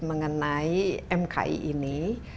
mengenai mki ini